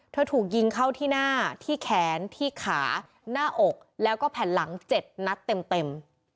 ถูกยิงเข้าที่หน้าที่แขนที่ขาหน้าอกแล้วก็แผ่นหลัง๗นัดเต็ม